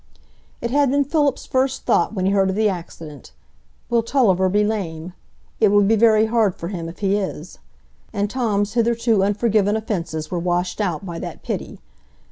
It had been Philip's first thought when he heard of the accident,—"Will Tulliver be lame? It will be very hard for him if he is"; and Tom's hitherto unforgiven offences were washed out by that pity.